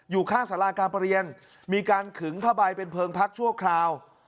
อยู่ข้างสาราการประเรียนมีการขึงผ้าใบเป็นเพลิงพักชั่วคราว